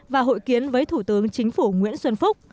và hội kiến với thủ tướng chính phủ nguyễn xuân phúc